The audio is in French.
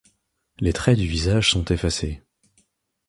Les traits du visage sont effacés.